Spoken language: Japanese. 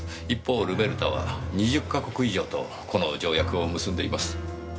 一方ルベルタは２０か国以上とこの条約を結んでいます。